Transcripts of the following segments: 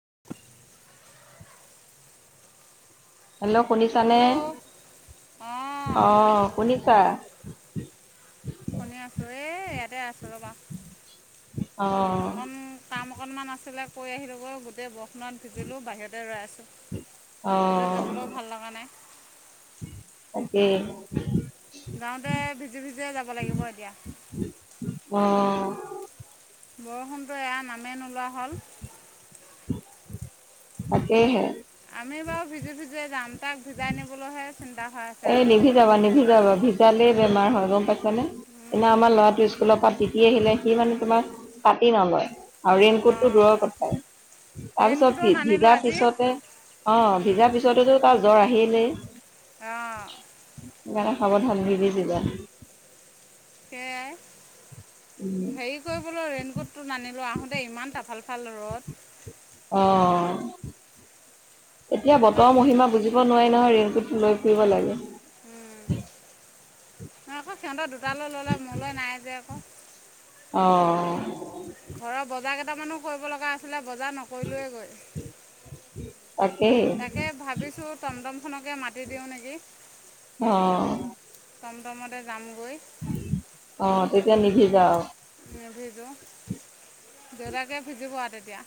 [inaudible] Hello শুনিছানে, hello অঁ অ' শুনিছা? শুনি আছোঁ। এ, ইয়াতে আছোঁ ৰবা। অ' অকন কাম অকনমান আছিলে কৰি আহিলোঁগৈ গোটেই বস কিমান বিজিলোঁ। বাহিৰতে ৰৈ আছোঁ। ভিতৰত যাবলৈও ভাল লগা নাই। তাকে। যাওঁতে ভিজি ভিজিয়ে যাব লাগিব এতিয়া। অ'। বৰষুণটো এয়া নামেই নোলোৱা হ'ল। তাকে হে। আমি বাৰু ভিজি ভিজে যাম, তাক ভিজাই নিবলৈহে চিন্তা হৈ আছে এ, আজিকালি নিভিজাবা যিহে জ্বৰ নিভভিজাবা, ভিজালেই বেমাৰ হয় গ'ম পাইছানে? এনে আমাৰ ল'ৰাটো স্কুলৰ পৰা তিতি আহিলে সি মানে তোমাৰ ছাতি নলয়। আৰু ৰেইনকোটো অঁ দূৰৰ কথাই। তাৰ ৰেইনকোটো পিছত হি, নানিলোঁ ভিজাৰ আজি পিছতে অ' ভিজাৰ পিছতেতো তাৰ জ্বৰ আহিলেই। অঁ [unintelligible] সাৱধান নিভিজিবা। সেয়াই। উম হেৰি কৰিবলৈ ৰেইন কোটটো নানিলোঁ, আহোতে ইমান তফাল ফাল ৰ'দ। অ' এতিয়া বতৰ ইয়াত মহিমা বুজিব নোৱিৰি নহয় ৰেইনকোটটো লৈ ফুৰিব লাগে। উম, আকৌ সিহঁতৰ দুটালৈ ল'লে মোলৈ নাই যে আকৌ। অহ'। ঘৰৰ বজাৰ কেইটামানো কৰিব লগা আছিলে, বজাৰ নকৰিলোৱেই গৈ- তাকেই তাকে ভাবিছো টমটমখনকে মাতি দিওঁ নেকি। অ'। টম টমতে যাম। অ তেতিয়া নিভিজা আৰু নিভিজো দেউতাকে ভিজিব আৰু তেতিয়া।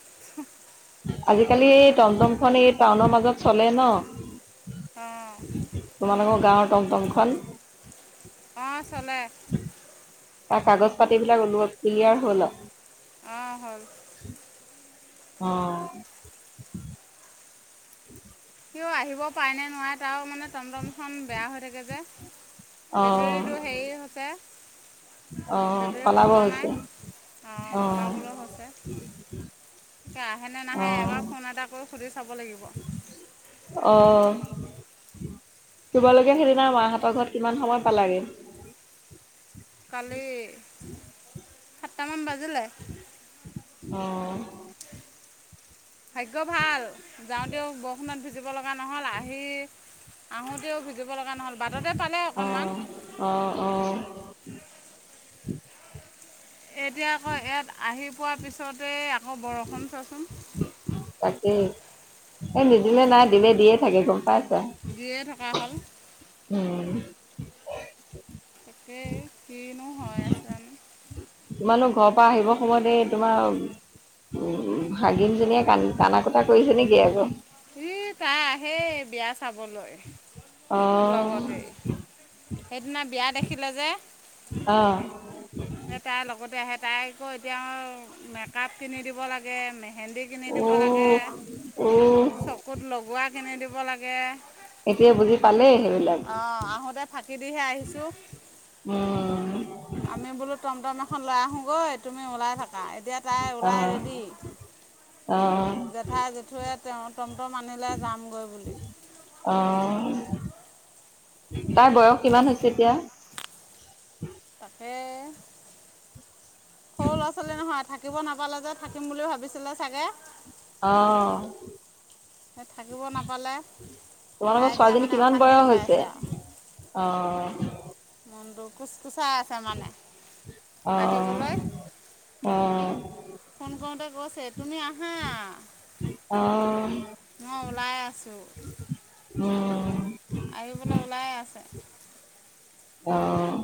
আজিকালি এই টমটমখন এই টাউনৰ মাজত চলে ন। অঁ তোমালোকৰ গাঁৱৰ টমটমখন- অঁ চলে ত, কাগজ পাতিবিলাক ক্লিয়াৰ হ'ল আ। অহ' হ'ল। অ'। সিয়ো আহিব পাৰে নে নোৱাৰে তাৰ মানে টমটমখন বেয়া হৈ থাকে যে। অ বেটেৰীটো হেৰি হৈছে। অ' সলাব হৈছে। অ' সলাবলৈ হৈছে আহে নে অ নাহে এবাৰ ফোন এটা কৰো। সুধি চাব লাগিব। আহ। তোমালোকে সেইদিনা মাহঁতৰ ঘৰত কিমান সময় পালাগে। কালি সাতটামান বাজি- অহ' ভাগ্য ভাল যাওঁতেও বৰষুণত ভিজিব লগা নহ'ল আহি আহোঁতেও। ভিজিব লগা নহ'ল বাটতে পালে অকণমান অহ' অহ' অহ'। এতিয়া আকৌ ইয়াত আহি পোৱাৰ পিছতে আকৌ বৰষুণ চোৱাচোন। তাকেই এই নিদিলে নাই দিলে দিয়ে থাকে গ'ম পাইছা, দিয়ে থকা হ'ল উম। [unintelligible] এই কিনো হৈ আছে। তাৰপা আহিব সময় সেই তোমাৰ উম, ভাগিনজনীয়ে কান কানা কটা কৰিছে নেকি আকৌ। এ তাই আহে বিয়া চাবলৈ। অ', লগতে সেইদিনা বিয়া দেখিলে যে। অ'। সেই তাই লগতে আহে তাই আকৌ এতিয়া মেকআপ কিনি দিব লাগে। ভেন্দী কিনি দিব লাগে। উহ, উহ, ক'ত লগোৱা কিনি দিব লাগে। এতিয়া বুজি পালেই সেইবিলাক। অহ' আহোতে ফাকি দিহে আহিছো। উম, আমি বোলো টমটম এখন লৈ আহোঁগৈ। তুমি ওলাই থাকা, এতিয়া তাই ওলাই অ', ৰেডি। অ', জেঠাই জেঠুৱে তেওঁ। টমটম আনিলে যামগৈ বুলি। তাই বয়স কিমান হৈছে এতিয়া। তাকে সৰু ল'ৰা ছোৱালী নহয় থাকে। থাকিব নাপালে যে থাকিম বুলি ভাবিছিলে চাগে। অহ' হে থাকিব নাপালে। তাই তোমালোকৰ এতিয়া ছোৱালীজনী মানে কিমান অশান্তি বয়স হৈ হৈছে আছে আৰু অ'। মনটো কোচ কোচাই আছে মানে অ', আহিবলৈ। অ', ফোন কৰোতে কৈছে তুমি আহা। অ', মই ওলাই আছোঁ। উম। আহিবলৈ ওলাই আছে। অ'।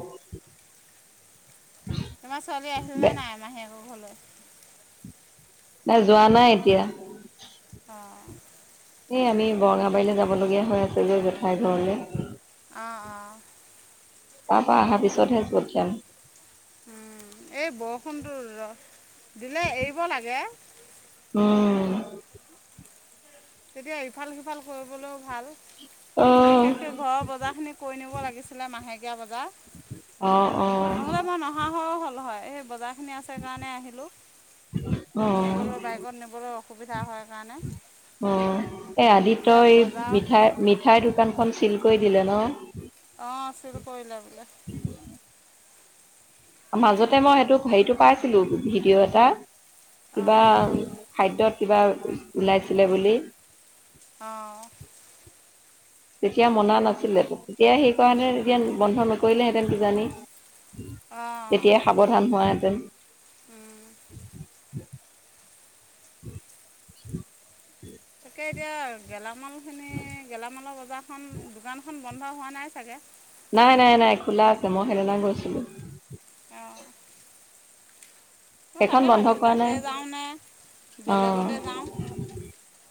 তোমাৰ ছোৱালী আহিল নে বে নাই মাজীয়েকৰ ঘৰলৈ? তাই যোৱা নাই এতিয়া। অ'। এই আমি বৰঙাবাৰীলৈ যাবলগীয়া হৈ আছে জেঠাই ঘৰলৈ। অ', অ'। তাৰপা অহাৰ পিছতহে লৈ যাম। উম, এই বৰষুণটো দিলে এৰিব লাগে। উম। তেতিয়া ইফাল সিফাল কৰিবলৈও ভাল। মোৰ অ', বিশেষকৈ ঘৰৰ বজাৰখিনি কৰি নিব লাগিছিলে মাহেকীয়া বজাৰ। অ', অ', নহ'লে মই নহা হৈও হ'ল হয়, এই বজাৰখিনি আছে কাৰণে আহিলোঁ। অ', নিবলৈ বাইকত নিবলৈ অসুবিধা হয় কাৰণে। অ', এই আদিত্য এতিয়া এই বজাৰ মিঠাই, মিঠাইৰ দোকানখন চিল কৰি দিলে ন? অঁ চিল কৰিলে বোলে মাজতে মই সেইটো হেৰিটো পাইছিলোঁ ভিডিঅ' এটা। কিবা অঁ খাদ্যত কিবা ওলাইছিলে বুলি। অ'। তেতিয়া মনা নাছিলে, তেতিয়া সেইকাৰণে যেতিয়া বন্ধ নকৰিলেহেঁতেন কিজানি। অঁ তেতিয়াই সাৱধান হোৱাহেঁতেন। উম। [inaudible] তাকে এতিয়া গেলামালখিনি, গেলামালৰ বজাৰখন দোকানখন। বন্ধ হোৱা নাই চাগে? নাই, নাই, নাই খোলা আছে, মই সেইদিনা গৈছিলোঁ। অঁ মই সেইখন তাকে বন্ধ ভাবিছোঁ, কৰা তাতে নাই যাওঁ নে অ', বেলেগতে যাওঁ।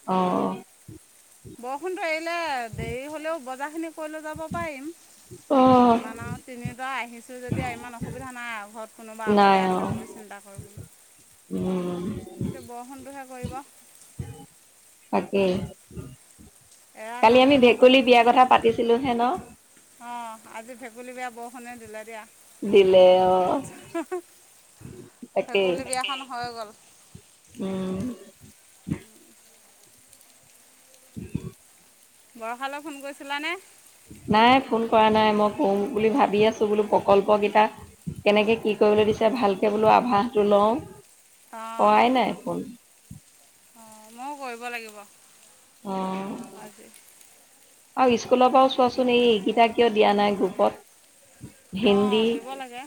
অ'। বৰষুণটো এৰিলে দেৰি হ'লেও বজাৰ খিনি কৈ লৈ যাব পাৰিম, অ', ইমান আৰু তিনিওটা আহিছোঁ যেতিয়া ইমান অসুবিধা নাই ঘৰত। কোনোবা নাই অকলে অ আছে বুলি চিন্তা কৰিবলৈ, উম কিন্ত বৰষুণটোহে। কৰিব। তাকেই। এৰা কালি আমি নামেই নলয় ভেকুলী বিয়াৰ কথা পাতিছিলোঁ হে ন। অঁ আজি ভেকুলী বিয়া বৰষুণে দিলে দিয়া। দিলে অ', তাকেই। ভেকুলী বিয়াখন হৈ গ'ল উম। [unintelligible] বৰষালৈ ফোন কৰিছিলাঁনে? নাই ফোন কৰা নাই মই, কওঁ বুলি ভাবি আছোঁ বোলো প্ৰকল্প কেইটা। কেনেকে কি কৰিবলৈ দিছে, ভালকে বোলো আভাসটো লওঁ। কৰাই নাই ফোন। অ', ময়ো কৰিব লাগিব। আজি অ'। আৰু স্কুলৰ পৰাও চোৱাচোন এই, এইকেইটা কিয় দিয়া নাই গ্ৰুপত। অঁ হিন্দী, দিব লাগে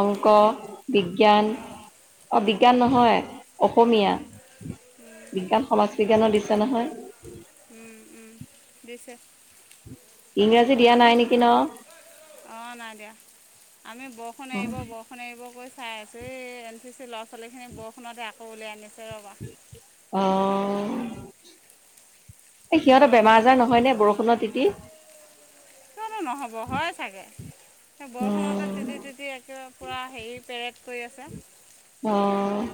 অংক। বিজ্ঞান অঁ অ', বিজ্ঞান নহয়। অসমীয়া, বিজ্ঞান, সমাজ বিজ্ঞানৰ দিছে নহয়? উম, উম, দিছে। ইংৰাজী দিয়া নাই নেকি ন? অ', নাই দিয়া আমি বৰষুণ অ অ এৰিব, বৰষুণ এৰিব কৈ চাই আছোঁ এই এন চি চি ল'ৰা ছোৱালীখিনি বৰষুণতে আকৌ উলিয়াইনিছে ৰ'বা। অহ' এ সিহঁত বেম বৰষুণতে আজাৰ নহয় নে বৰষুণৰ তিতি। কিয়নো নহ'ব হয় চাগে, সেই বৰষুণতে উম, তিতি তিতি একে পূৰা হেৰি পেৰেট। কৰি আছে। অ'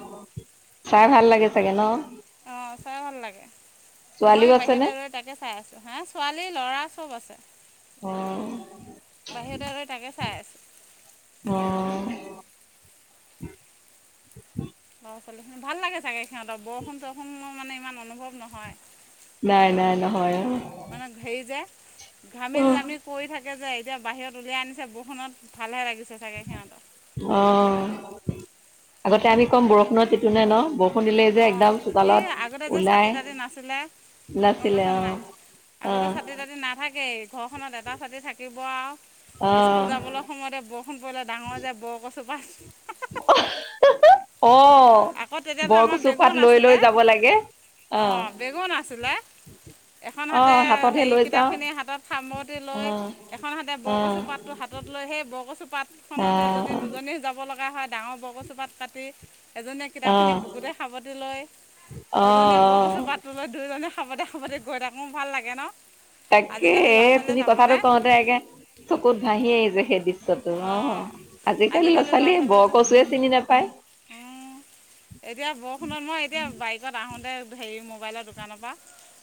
চাই ভাল লাগে চাগে ন। অহ' চাই ভাল লাগে। মই ছোৱালীও আছেনে বাহিৰতে ৰৈ তাকে চাই আছোঁ, হা ছোৱালী ল'ৰা চ'ব আছে। অ বাহিৰত ৰৈ তাকে চাই অ আছোঁ। [unintelligible] অ' ল'ৰা ছোৱালী ভাল লাগে চাগে সিহঁতৰ বৰষুণ চৰষুণ মানে ইমান অনুভৱ নহয়। নাই, নাই, নহয়। মানে হেৰি যে ঘামি অ জামি কৰি থাকে যে এতিয়া বাহিৰত উলিয়াই আনিছে বৰষুণত ভালহে লাগিছে। [unintelligible] চাকে সিহতক। অ আগতে আমি কম বৰষুণ টিটো নে ন। দিলেই যে অ' একদম এই চোতালত আগতে যে ওলাই চাতি তাতি নাছিলে গ'ম নাছিলে পাইছানে অ নাই। অ আগতে ছাতি তাতি নাথাকেই ঘৰখনত এটা ছাতি থাকিব। বৰ আৰু অ স্কুল যাবলৈ সময়তে বৰষুণ পৰিলে ডাঙৰ যে বৰ কছু পাত। আকৌ অ' তেতিয়াতো বৰকচু পাত লৈ লৈ যাব লাগে। অ' বেগও নাছিলে। এখন অ হাতে হাততহে হেৰি লৈ কিতাপ যাওঁ খিনি হাতত সামৰতি অ লৈ এখন হাতে অ বৰকচু পাতো হাত পাতত লৈ সেই বৰকচু পাতখনতে যদি অ', দুজনী যাব লগা হয় ডাঙৰ বৰকচু পাত কাটি এজনীয়ে কিতাপখিনি অ', বুকুতে সাৱতি লয় এজনীয়ে বৰকচু অ', পাতটো লয় দুয়োজনীয়ে খাবতে খাবতে গৈ থাকো ভাল লাগে ন। তাকে আজিকালি এ ল'ৰা তুমি ছোৱালীয়ে কথাাতটো যাবনে কওঁতে একে চকুত ভাহি আহিছে সেই দৃশ্য তো, অ' অঁ আজিকালি ল'ৰা ছোৱালীয়ে বৰ কচুৱে চিনি নাপায়। এতিয়া বৰষুণত মই এতিয়া বাইকত আহোতে হেৰি মই মোবাইলৰ দোকানৰ পৰা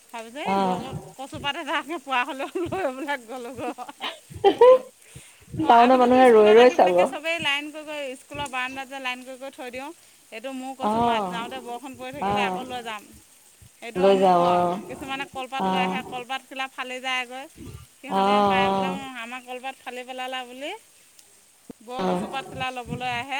তাৰ পিছত এই বৰ অ', কচুপাট এটা পোৱা হ'লেও লয়পেলায়। গলোঁ গৈ হয়। অ' টাউনৰ আগতেতো মানুহে ৰৈ স্কুলত ৰৈ আহি চাব পেলাই চবেই লাইন কৈ কৈ স্কুলত বাৰাণ্ডাত যে লাইন কৰি কৰি থৈ দিওঁ। এইটো মোৰ কচো পাত, অ', যাওঁতে বৰষুণ পৰি থাকিলে অ', আকৌ লৈ যাম। এইটো লৈ অমুক যাওঁ অ' কিছুমানে কলপাত লৈ অ', আহে কলপাত খিলা ফালি যায়গৈ। সিহঁতে পাই পেলা অ' আমাৰ কলপাত ফালি পেলালা বুলি বৰ কছু। অ', কছুপাট খিলা ল'বলৈ আহে।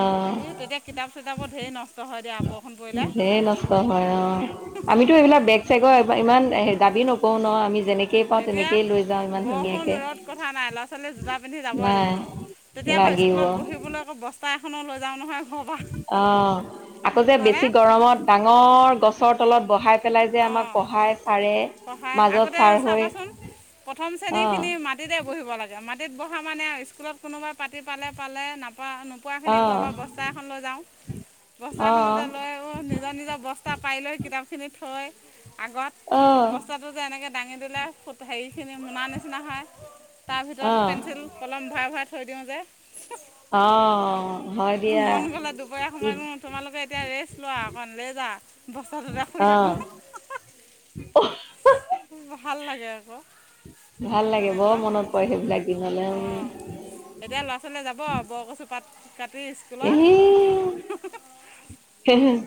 অ', তেতিয়া কিতাপ চিতাপো ধে নষ্ট হয় দিয়া বৰষুণ পৰিলে। ধেৰ নষ্ট হয় অ', আমিতো এইবিলাক বেগ চেগৰ ইমান দাবী অঁ নকৰওঁ ন আমি যেনেকেই পাওঁ। এতিয়া তেনেকেই লৈ যাওঁ ইমান। বৰষুণ ধুনীয়াকে ৰ'দ কথা নাই। ল'ৰা ছোৱালী জোতা পিন্ধি যাবই নাই লাগিব। তেতিয়া আকৌ স্কুলত লাগিব বহিবলৈ আকৌ বস্তা এখনো লৈ যাওঁ নহয় ঘৰৰ পৰা অ' আকৌ যে হয়নে বেছি গৰমত ডাঙৰ গছৰ তলত বহাই পেলাই যে আমাক অঁ পঢ়াই চাৰে। পঢ়ায়। আগতে চাবাচোন প্ৰথম শ্ৰেণী অ', খিনি মাটিতে বহিব লাগে মাটি মাটিত বহা মানে আৰু স্কুলত কোনোবাই পাতি পালে পালে নাপ নোপোৱাখিনি ঘৰৰ অ', পৰা বস্তা এখন লৈ যাওঁ। বস্তা অ', খনতে লৈ নিজৰ নিজৰ বস্তা পাই লৈ কিতাপ খিনি থয়। আগত অ', বস্তাটো যে এনেকৈ দাঙি দিলে হেৰিখিনি মোনা নিচিনা হয়। তাৰ ভিতৰত অ', পেঞ্চিল, কলম ভৰাই ভৰাই থৈ দিওঁ যে। অ', হয় দিয়া মন গ'লে দুপৰীয়া ই সময়ত তোমালোকে এতিয়া ৰেষ্ট লোৱা অকন লে যা। বস্তাটোতে শুই থাকো অ', ভাল লাগে আকৌ। [inaudible] ভাল লাগে বৰ তেনেকুৱা মনত পৰে সেইবিলাক দিন'লে। অঁ এতিয়া ল'ৰা ছোৱালীয়ে যাব বৰকচু পাত। কাটি স্কুলত। এ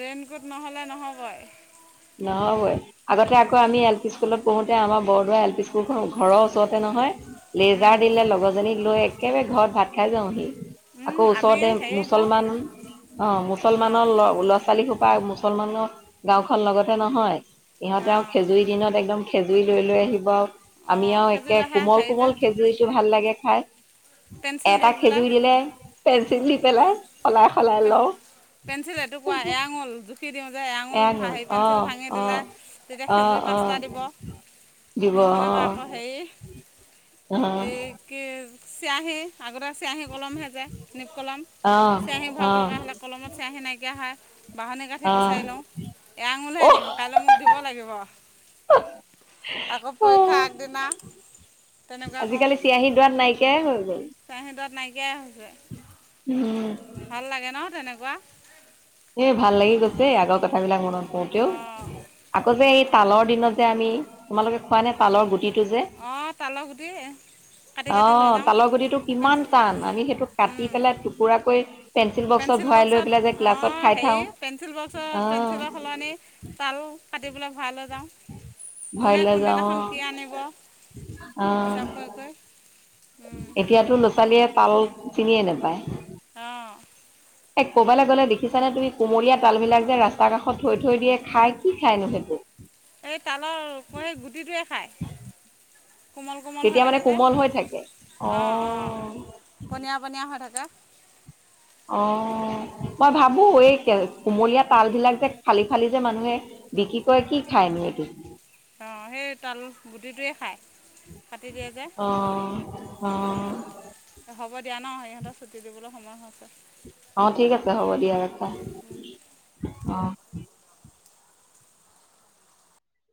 ৰেইনকোট নহলে নহ'বই। নহ'বই, আগতে আকৌ আমি এল পি স্কুলত পঢ়োতে আমা বৰদোৱা এল পি স্কুলখন ঘৰৰ ওচৰতে নহয়, লেজাৰ উম, দিলে লগৰজনীক লৈ। একেবাৰে ঘৰত ভাত খাই যাওঁহি। উম, আকৌ আমি ওচৰতে হেৰি কৰোঁ মুছলমান অ', অঁ মুছলমানৰ ল- ল'ৰা ছোৱালী। মুছলমানৰ গাঁওখন লগতে নহয়, ইহঁতে আও অঁ খেজুৰ দিনত একদম খেজুৰৰি লৈ, লৈ আহিব আৰু আমি অঁ আৰু সেইযোৰ একে লেখা কোমল, হেৰি যে কোমল খেজুৰিতটো ভাল লাগে খাই। পেঞ্চিল দি এটা পেলাই খেজুৰি দিলে, পেঞ্চিল দি অঁ পেলাই সলাই, সলাই পে- লওঁ। পেঞ্চিল এইটুকুৰা এয়াঙুল। কি দিওঁ যে এয়াঙুল এয়া গ'ল হেৰি অ পেঞ্চিল ভাঙি অ দিলে, তেতিয়া অ খেজুৰ অ পাঁচটা দিব। দিব নহ'লে বাৰু অ আকৌ হেৰি অ', অ', এই কি চিয়াহী। আগতে চিয়াহী কলম হে যে নিপ কলম, চেয়হী ভৰাব লগা অ', হ'লে কলমত চিয়াহী নাইকিয়া হয়। বঢ়নি কাঠি অ', বিচাৰি লওঁ, এয়াঙুলহে অহ, দিম কাইলৈ মোক দিব লাগিব। আকৌ পৰীক্ষা অ', আগদিনা তেনেকুৱা কৰোঁ। আজিকালি চিয়াহী দোৱাত নাইকিয়াই হৈ গ'ল। তাই হাতত নাইকিয়াই হৈছে। উম, ভাল লাগে ন তেনেকুৱা। এ, ভাল লাগি গৈছে আগৰ কথাবিলাক মনত পৰোঁতেও অঁ আকৌ যে এ তালৰ দিনত যে আমি তোমালোকে খোৱা নে তালৰ গুটি? অ', তালৰ গুটি। কাটি কাটি লৈ অ', যাওঁ তালৰ গুটিটো কিমান টান, আমি সেইটো কাটি পেলাই টুকুৰা কৰি পেঞ্চিল বক্সত। ভৰাই লৈ পেলাই যে ক্লাছত খাই। হেৰি থাও পেঞ্চিল বক্সত অ', পেঞ্চিলৰ সলনি তাল কাটি পেলাই ভৰাই লৈ যাওঁ। ভৰাই কোনে লৈ যাওঁ কোনদিনাখন অ', কি আনিব, অ', হিচাপ কৰি, কৰি। এতিয়াতো ল'ৰা ছোৱালীয়ে তাল চিনিয়ে নাপায়। অ'। এ, ক'বালে গ'লে দেখিছা নে তুমি কমলীয়া তাল বিলাক যে ৰাস্তা কাষত থৈ, থৈ দিয়ে খাই কি খাইনো সেইটো? এই তালৰ সেই গুটিটোৱে খায়। কোমল, কোমল হৈ তেতিয়া মানে থাকে যে কোমল হৈ থাকে অ', অ', পনীয়া, পনীয়া হৈ থাকে। অ'। মই ভাবোঁ, এই কুমলীয়া তাল বিলাক যে ফালি, ফালি যে মানুহে বিক্ৰী কৰে কি খায়। [unintelligible] অ', সেই তাল গুটিটোৱে খায় কাটি দিয়ে যে। অ অ হ'ব দিয়া ন, সিহঁতৰ ছুটি দিবলৈ সময় হৈছে। অ', ঠিক আছে হ'ব দিয়া ৰাখা অ'।